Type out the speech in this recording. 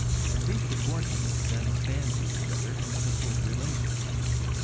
These proportions then stand to each other in simple relations.